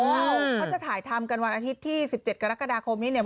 เขาจะถ่ายทำกันวันอาทิตย์ที่๑๗กรกฎาคมนี้เนี่ย